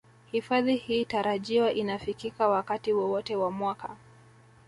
Hifadhi hii tarajiwa inafikika wakati wowote wa mwaka